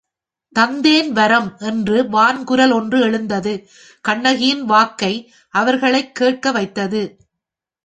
தந்தேன் வரம் என்று வான்குரல் ஒன்று எழுந்தது கண்ணகியின் வாக்கை அவர்களைக் கேட்க வைத்தது.